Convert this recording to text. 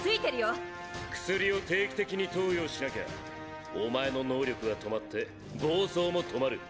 薬を定期的に投与しなきゃお前の能力は止まって暴走も止まる。